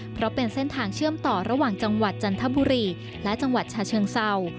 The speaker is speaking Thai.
เพราะเป็นเส้นทางเชื่อมต่อระหว่างจังหวัดจันทบุรีและจังหวัดชาเชิงเศร้า